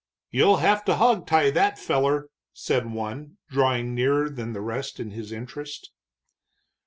"You'll have to hog tie that feller," said one, drawing nearer than the rest in his interest.